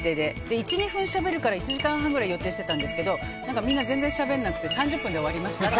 １２分しゃべるから１時間半くらい予定してたんですけどみんな、全然しゃべらなくて３０分で終わりました。